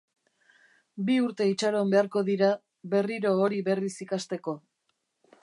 Bi urte itxaron beharko dira berriro hori berriz ikasteko.